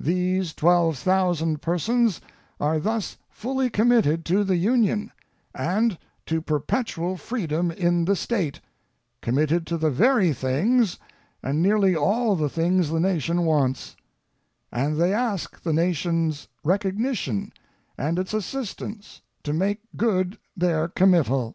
These twelve thousand persons are thus fully committed to the Union, and to perpetual freedom in the state committed to the very things, and nearly all the things the nation wants and they ask the nations recognition and it's assistance to make good their committal.